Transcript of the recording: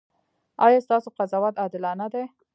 ایا ستاسو قضاوت عادلانه دی؟